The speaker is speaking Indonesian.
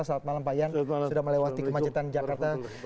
selamat malam pak ian sudah melewati kemacetan jakarta